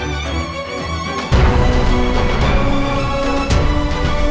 untuk bisa langsung menerima